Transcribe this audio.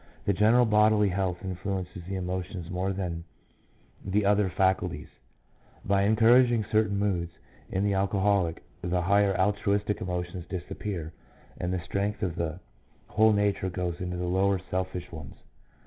The general bodily health influences the emotions more than the other faculties, by en couraging certain moods. In the alcoholic the higher altruistic emotions disappear, and the strength of the whole nature goes into the lower selfish ones.